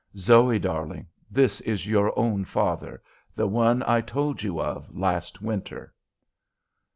"Zoe, darling, this is your own father; the one I told you of last winter."